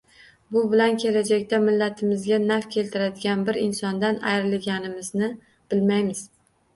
Bu bilan kelajakda millatimizga naf keltiradigan bir insondan ayrilganimizni bilmaymiz.